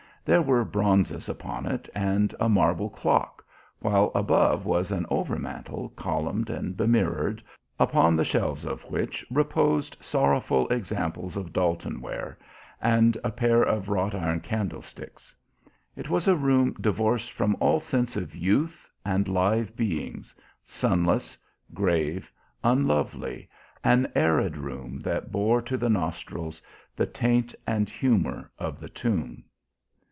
There were bronzes upon it and a marble clock, while above was an overmantel, columned and bemirrored, upon the shelves of which reposed sorrowful examples of Doulton ware and a pair of wrought iron candlesticks. It was a room divorced from all sense of youth and live beings, sunless, grave, unlovely; an arid room that bore to the nostrils the taint and humour of the tomb.